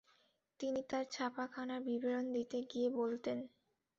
তিনি তার ছাপাখানার বিবরণ দিতে গিয়ে বলতেন -